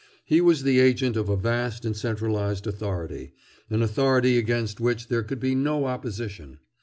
He was the agent of a vast and centralized authority, an authority against which there could be no opposition.